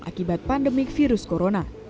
akibat pandemik virus corona